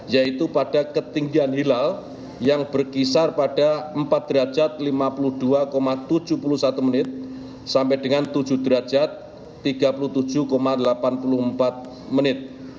yaitu pada ketinggian hilal yang berkisar pada empat derajat lima puluh dua tujuh puluh satu menit sampai dengan tujuh derajat tiga puluh tujuh delapan puluh empat menit